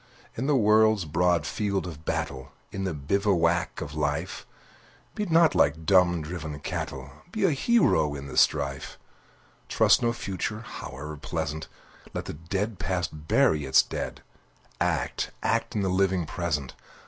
In the world's broad field of battle, In the bivouac of Life, Be not like dumb, driven cattle! Be a hero in the strife! Trust no future, howe'er pleasant! Let the dead Past bury its dead! Act, act in the living present!